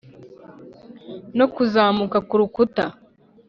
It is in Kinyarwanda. no kuzamuka kurukuta